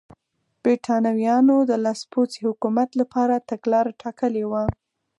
برېټانویانو د لاسپوڅي حکومت لپاره تګلاره ټاکلې وه.